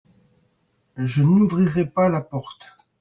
Je n'ouvrirai pas la porte.